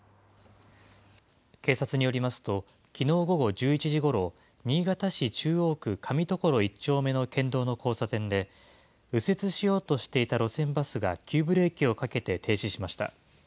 警察によりますと、きのう午後１１時ごろ、新潟市中央区上所１丁目の県道の交差点で、右折しようとしていた路線バスが急ブレーキをかけて停止しました。